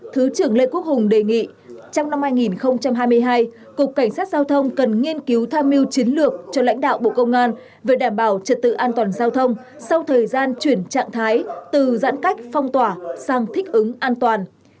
thứ trưởng lê quốc hùng đề nghị trong năm hai nghìn hai mươi hai cục cảnh sát giao thông cần nghiên cứu tham mưu chiến lược cho lãnh đạo bộ công an về đảm bảo trật tự an toàn giao thông sau thời gian chuyển trạng thái từ giãn cách phong tỏa sang thích ứng an toàn